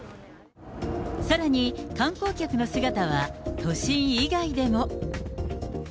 さらに、観光客の姿は都心以外でも。